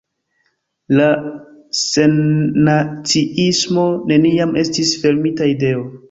La sennaciismo neniam estis fermita ideo.